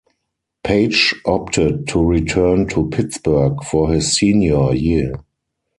Page opted to return to Pittsburgh for his senior year.